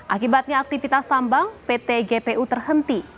akibatnya aktivitas tambang pt gpu terhenti